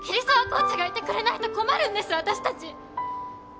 コーチがいてくれないと困るんです私たち！